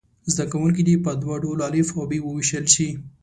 زده کوونکي دې په دوه ډلو الف او ب وویشل شي.